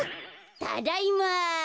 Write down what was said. ただいま。